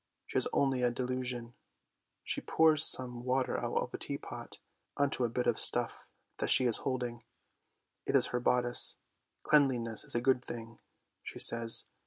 She is only a delusion. She pours some water out of a teapot on to a bit of stuff that she is holding; it is her bodice. ' Cleanliness is a good thing,' she says.